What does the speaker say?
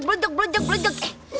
belujuk belujuk belujuk